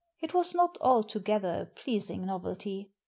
It was not altogether a pleasing novelty.